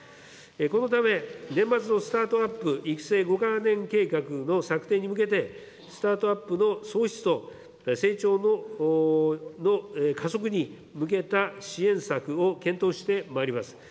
このため、年末のスタートアップ育成５か年計画の策定に向けて、スタートアップの創出と成長の加速に向けた支援策を検討してまいります。